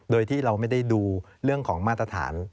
โดยที่เราไม่ได้ดูเรื่องของมาตรฐาน